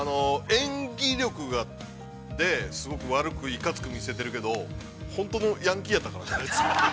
演技力で、原則悪く、いかつく見せているけど、本当のヤンキーやったから、あいつ。